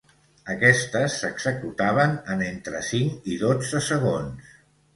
Aquestes s'executaven en entre cinc i dotze segons.